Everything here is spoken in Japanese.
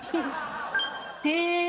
へえ。